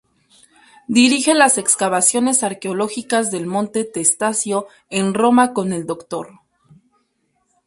Dirige las excavaciones arqueológicas del Monte Testaccio en Roma con el Dr.